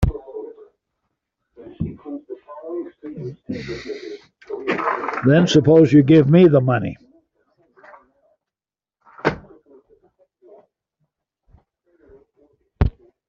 Then suppose you give me the money.